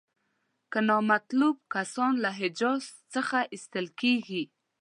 که نامطلوب کسان له حجاز څخه ایستل کیږي.